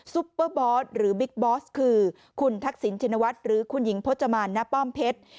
ปเปอร์บอสหรือบิ๊กบอสคือคุณทักษิณชินวัฒน์หรือคุณหญิงพจมานณป้อมเพชร